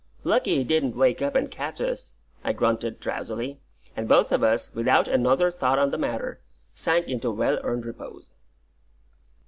"Lucky he didn't wake up and catch us," I grunted, drowsily; and both of us, without another thought on the matter, sank into well earned repose.